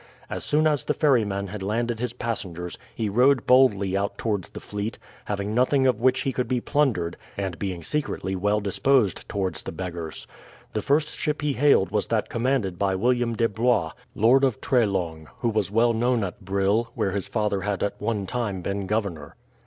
As soon as the ferryman had landed his passengers he rowed boldly out towards the fleet, having nothing of which he could be plundered, and being secretly well disposed towards the beggars. The first ship he hailed was that commanded by William de Blois, Lord of Treslong, who was well known at Brill, where his father had at one time been governor.